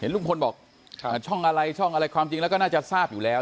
ลุงพลบอกช่องอะไรช่องอะไรความจริงแล้วก็น่าจะทราบอยู่แล้ว